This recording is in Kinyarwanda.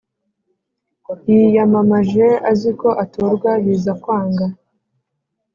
Yiyamamaje aziko atorwa biza kwanga